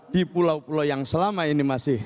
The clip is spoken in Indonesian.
di pulau pulau yang selama ini masih